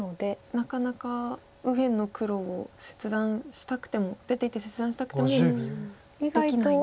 なかなか黒を切断したくても出ていって切断したくてもできないんですか。